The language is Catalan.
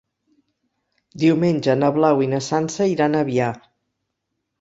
Diumenge na Blau i na Sança iran a Avià.